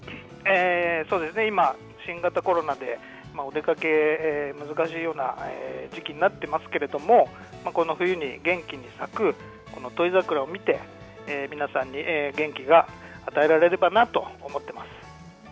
今、新型コロナでお出かけ難しいような時期になってますけれども、この冬に元気に咲くこの土肥桜を見て、皆さんに元気が与えられればなと思ってます。